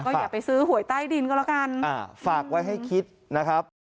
อย่าไปซื้อหวยใต้ดินก็แล้วกันอ่าฝากไว้ให้คิดนะครับ